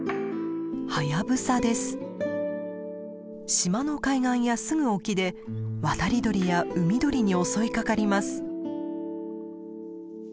島の海岸やすぐ沖で渡り鳥や海鳥に襲いかかります。